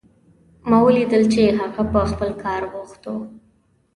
ما ولیدل چې هغه په خپل کار بوخت و